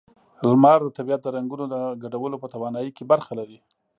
لمر د طبیعت د رنگونو د ګډولو په توانایۍ کې برخه لري.